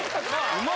うまい。